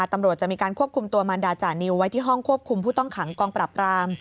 ตำรวจจะมีการควบคุมตัวมันดาจานิวไว้ที่ห้องควบคุมผู้ต้องขังกองปรับราม